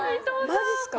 マジっすか？